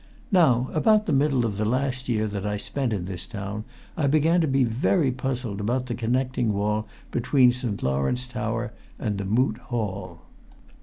Now, about the middle of the last year that I spent in this town, I began to be very puzzled about the connecting wall between St. Lawrence tower and the Moot Hall.